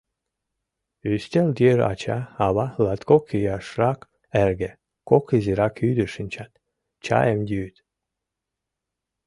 Ӱстел йыр ача, ава, латкок ияшрак эрге, кок изирак ӱдыр шинчат, чайым йӱыт.